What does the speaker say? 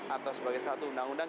atau sebagai satu undang undang